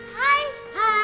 eh tiara gimana ini